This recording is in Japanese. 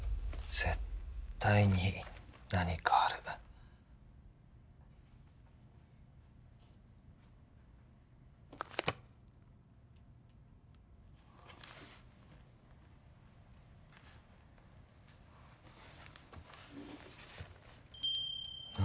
絶対に何かある何？